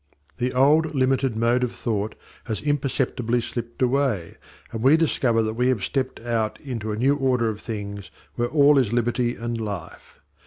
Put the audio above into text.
The old limited mode of thought has imperceptibly slipped away, and we discover that we have stepped out into a new order of things where all is liberty and life.